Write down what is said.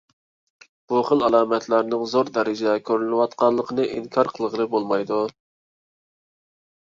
بۇ خىل ئالامەتلەرنىڭ زور دەرىجىدە كۆرۈلۈۋاتقانلىقىنى ئىنكار قىلغىلى بولمايدۇ.